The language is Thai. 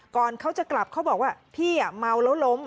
ก่อนเขาจะกลับเขาบอกว่าพี่เมาแล้วล้ม